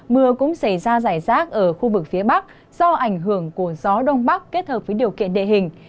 mưa cũng xảy ra giải rác ở khu vực phía bắc do ảnh hưởng của gió đông bắc kết hợp với điều kiện địa hình